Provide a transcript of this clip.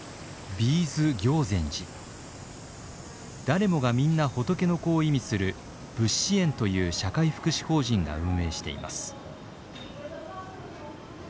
「誰もがみんな仏の子」を意味する佛子園という社会福祉法人が運営しています。